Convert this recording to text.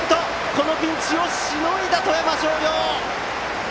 このピンチをしのいだ富山商業！